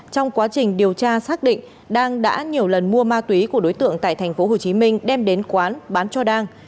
trong quá trình điều tra xác định đang đã nhiều lần mua ma túy của đối tượng tại tp hcm đem đến quán bán cho đang